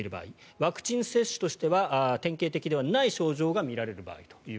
ワクチン接種としては典型的ではない症状が見られる場合と。